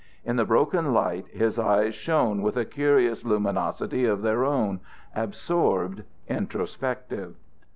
In the broken light his eyes shone with a curious luminosity of their own, absorbed, introspective.